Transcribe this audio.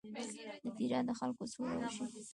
د تیرا د خلکو سوله وشي.